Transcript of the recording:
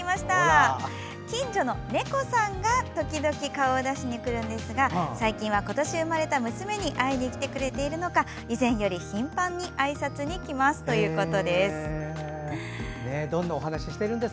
近所の猫さんが時々、顔を出しにくるんですが最近は今年生まれた娘に会いに来てくれているのか以前より頻繁にあいさつに来ますということです。